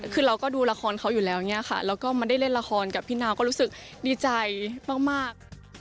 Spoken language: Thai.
คือเราก็ดูละครเขาอยู่แล้วแล้วมาได้เล่นกับพี่น้าวก็รู้ดีใจมาก